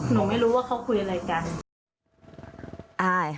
หนูไม่รู้ว่าเขาคุยอะไรกัน